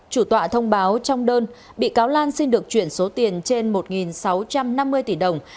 chủ tọa thông báo trong đơn bị cáo lan xin được chuyển số tiền trên một sáu trăm năm mươi tỷ đồng